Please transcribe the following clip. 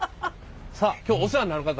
さあ今日お世話になる方。